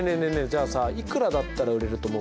あさいくらだったら売れると思う？